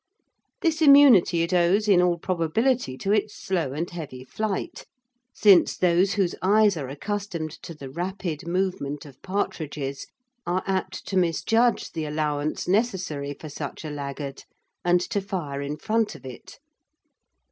This immunity it owes in all probability to its slow and heavy flight, since those whose eyes are accustomed to the rapid movement of partridges are apt to misjudge the allowance necessary for such a laggard and to fire in front of it.